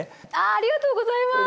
ありがとうございます。